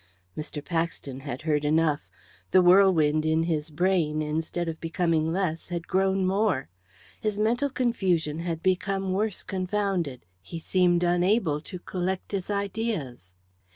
Mr. Paxton had heard enough. The whirlwind in his brain, instead of becoming less, had grown more. His mental confusion had become worse confounded. He seemed unable to collect his ideas.